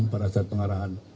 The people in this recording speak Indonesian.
para satu pengarahan